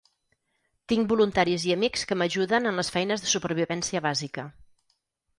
Tinc voluntaris i amics que m’ajuden en les feines de supervivència bàsica.